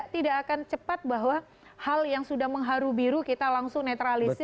tidak akan cepat bahwa hal yang sudah mengharu biru kita langsung netralisir